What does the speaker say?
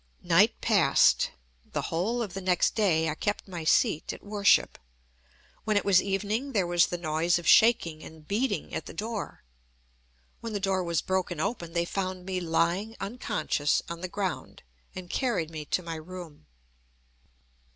Night passed. The whole of the next day I kept my seat at worship. When it was evening there was the noise of shaking and beating at the door. When the door was broken open, they found me lying unconscious on the ground, and carried me to my room.